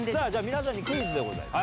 皆さんにクイズでございます。